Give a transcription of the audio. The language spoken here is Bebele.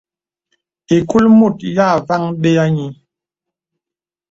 Ìkul mùt yā fàŋ bēs à nyə̀.